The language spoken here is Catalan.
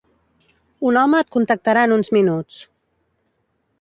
Un home et contactarà en uns minuts.